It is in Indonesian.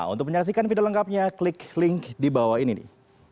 untuk menyaksikan video lengkapnya klik link di bawah ini nih